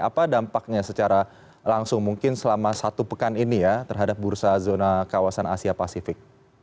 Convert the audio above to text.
apa dampaknya secara langsung mungkin selama satu pekan ini ya terhadap bursa zona kawasan asia pasifik